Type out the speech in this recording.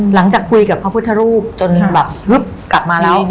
หลังจากคุยกับพระพุทธรูปจนแบบฮึบกลับมาแล้ว